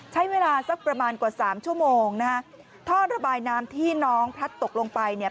ใช้เวลาสักประมาณกว่าสามชั่วโมงนะฮะท่อระบายน้ำที่น้องพลัดตกลงไปเนี่ย